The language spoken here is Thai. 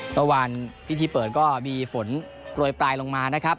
เมื่อวานพิธีเปิดก็มีฝนโปรยปลายลงมานะครับ